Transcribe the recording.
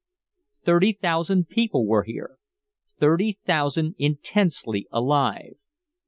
Thirty thousand people were here. Thirty thousand intensely alive.